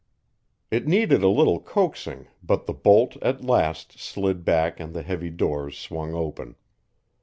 It needed a little coaxing, but the bolt at last slid back and the heavy doors swung open.